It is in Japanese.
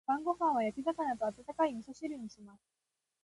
晩ご飯は焼き魚と温かい味噌汁にします。